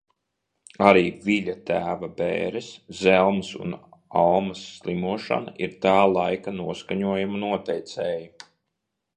Arī Viļa tēva bēres, Zelmas un Almas slimošana ir tā laika noskaņojuma noteicēji.